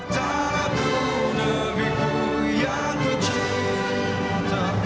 tanahku negeriku yang ku cinta